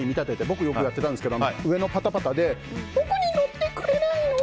僕、よくやってたんですけど上のパタパタで僕に乗ってくれないの？